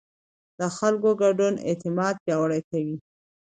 د خلکو ګډون اعتماد پیاوړی کوي